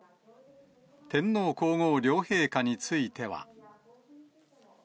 天皇皇后両陛下については。